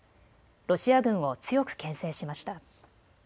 ロシア軍を強くけん制しました。